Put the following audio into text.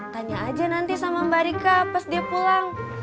tanya aja nanti sama mbak rika pas dia pulang